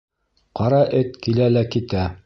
ҠАРА ЭТ КИЛӘ ЛӘ КИТӘ